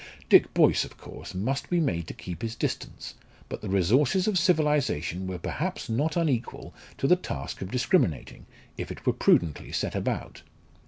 Dick Boyce of course must be made to keep his distance, but the resources of civilisation were perhaps not unequal to the task of discriminating, if it were prudently set about.